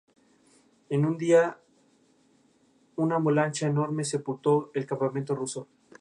Un día una avalancha enorme sepultó el campamento ruso.